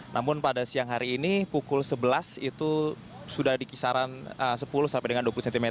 namun pada siang hari ini pukul sebelas itu sudah di kisaran sepuluh sampai dengan dua puluh cm